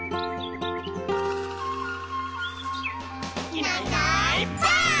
「いないいないばあっ！」